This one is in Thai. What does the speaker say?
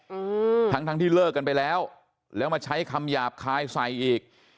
อืมทั้งทั้งที่เลิกกันไปแล้วแล้วมาใช้คำหยาบคายใส่อีก